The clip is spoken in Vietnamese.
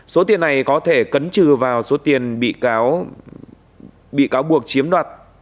số tiền này có thể cấn trừ vào số tiền bị cáo buộc chiếm đoạt